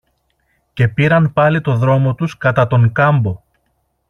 Και πήραν πάλι το δρόμο τους κατά τον κάμπο